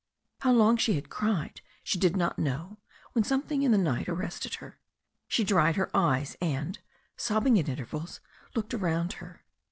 How long she had cried she did not know when something in the night arrested her. She dried her eyes, and, sobbing at intervals, looked around her.